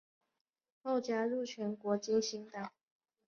后加入全国革新党。